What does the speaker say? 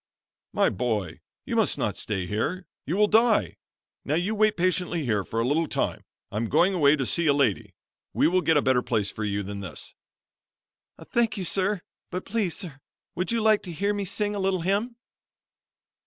"My boy, you mast not stay here; you will die. Now you wait patiently here for a little time; I'm going away to see a lady. We will get a better place for you than this." "Thank you sir, but please, sir, would you like to hear me sing a little hymn?"